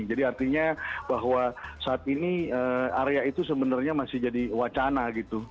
jadi artinya bahwa saat ini area itu sebenarnya masih jadi wacana gitu